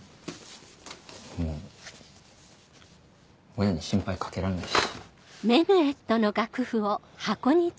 もう親に心配かけらんないし。